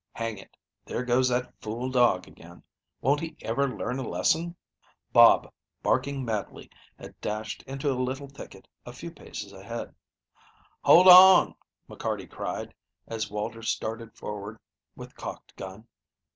Hang it, there goes that fool, dog again. Won't he ever learn a lesson?" Bob, barking madly, had dashed into a little thicket a few paces ahead. "Hold on!" McCarty cried, as Walter started forward with cocked gun.